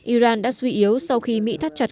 iran đã suy yếu sau khi mỹ thắt chặt